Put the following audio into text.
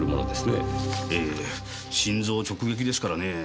ええ心臓直撃ですからねぇ。